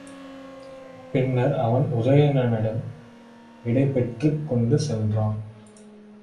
பின்னர் அவன் உதயணனிடம் விடை பெற்றுக் கொண்டு சென்றான்.